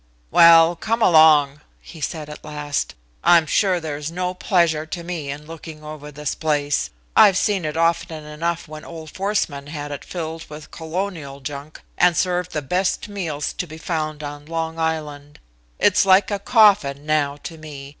"Well! Come along," he said at last. "I'm sure there is no pleasure to me in looking over this place. I've seen it often enough when old Forsman had it filled with colonial junk, and served the best meals to be found on Long Island. It's like a coffin now to me.